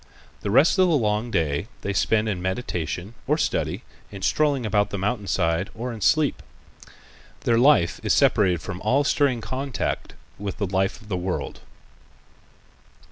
The rest of the long day they spend in meditation, or study, in strolling about the mountain side or in sleep. Their life is separated from all stirring contact with the life of the world.